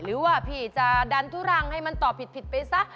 หรือว่าพี่จะดันทุรังให้มันตอบผิดไปซะ